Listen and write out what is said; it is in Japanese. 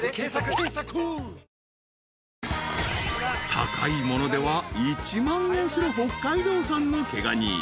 ［高いものでは１万円する北海道産の毛ガニ］